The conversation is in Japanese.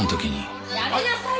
やめなさいよ。